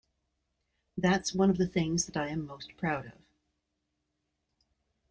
That's one of the things that I am most proud of.